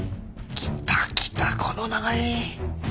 きたきたこの流れ。